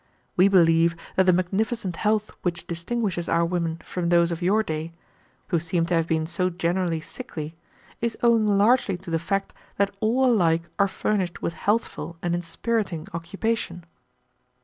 We believe that the magnificent health which distinguishes our women from those of your day, who seem to have been so generally sickly, is owing largely to the fact that all alike are furnished with healthful and inspiriting occupation."